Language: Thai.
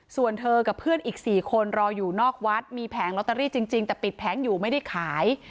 ส่วนเธอกับเพื่อนอีก๔คนรออยู่นอกวัดมีแผงลอตเตอรี่จริงแต่ปิดแผงอยู่ไม่ได้ขาย